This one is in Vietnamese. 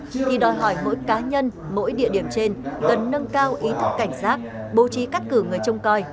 thì đòi hỏi mỗi cá nhân mỗi địa điểm trên cần nâng cao ý thức cảnh giác bố trí cắt cử người trông coi